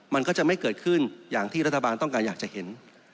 มันก็จะไม่เกิดขึ้นอย่างที่รัฐบาลต้องการอยากจะเห็น